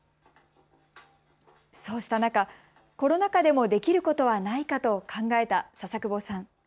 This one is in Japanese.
そうした中、コロナ禍でもできることはないかと考えた笹久保さん。